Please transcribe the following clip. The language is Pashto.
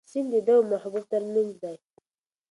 سیند د ده او محبوب تر منځ دی.